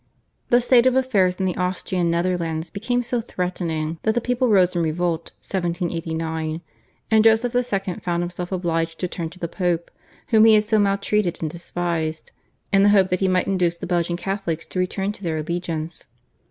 The state of affairs in the Austrian Netherlands became so threatening that the people rose in revolt (1789), and Joseph II. found himself obliged to turn to the Pope whom he had so maltreated and despised, in the hope that he might induce the Belgian Catholics to return to their allegiance.